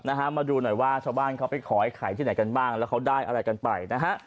นะฮะมาดูหน่อยว่าชาวบ้านเขาไปขอไอไข่ที่ไหนกันบ้างแล้วเขาได้อะไรกันไปนะฮะ